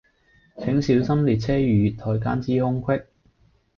請小心列車與月台間之空隙